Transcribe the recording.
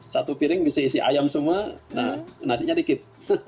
satu piring bisa isi ayam semua nasinya dikit